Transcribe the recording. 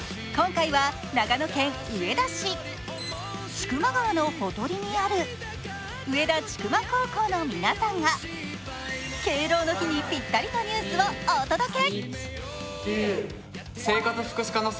千曲川のほとりにある上田千曲高校の皆さんが敬老の日にぴったりのニュースをお届け。